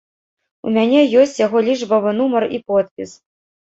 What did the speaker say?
У мяне ёсць яго лічбавы нумар і подпіс.